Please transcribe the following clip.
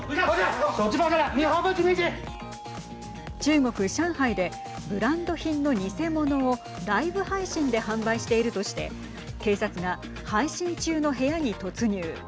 中国、上海でブランド品の偽物をライブ配信で販売しているとして警察が配信中の部屋に突入。